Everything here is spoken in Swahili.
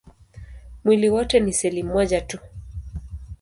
Mwili wote ni seli moja tu.